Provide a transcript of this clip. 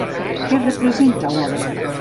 Què representa l'obra?